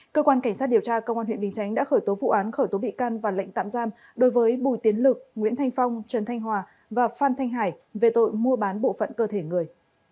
cơ quan cảnh sát điều tra công an huyện bình chánh đã khởi tố vụ án khởi tố bị can và lệnh tạm giam đối với bùi tiến lực nguyễn thanh phong trần thanh hòa và phan thanh hải về tội mua bán bộ phận cơ thể người